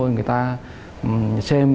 người ta xem